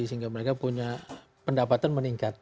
sehingga mereka punya pendapatan meningkat